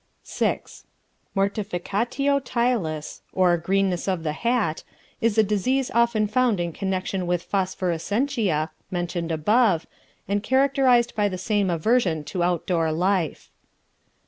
VI. Mortificatio Tilis, or Greenness of the Hat, is a disease often found in connection with Phosphorescentia (mentioned above), and characterized by the same aversion to outdoor life.